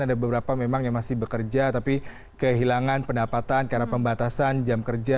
ada beberapa memang yang masih bekerja tapi kehilangan pendapatan karena pembatasan jam kerja